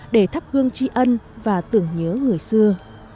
để thắp hương tri ân và tưởng nhớ người xưa